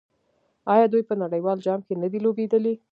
آیا دوی په نړیوال جام کې نه دي لوبېدلي؟